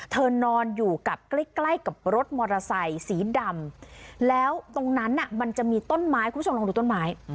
นอนอยู่กับใกล้ใกล้กับรถมอเตอร์ไซค์สีดำแล้วตรงนั้นมันจะมีต้นไม้คุณผู้ชมลองดูต้นไม้